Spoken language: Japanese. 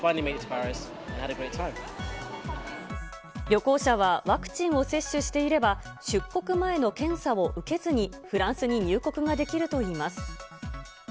旅行者はワクチンを接種していれば、出国前の検査を受けずにフランスに入国ができるといいます。